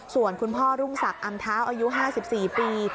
ส่วนคุณพ่อรุ่งศักดิอำเท้าอายุ๕๔ปี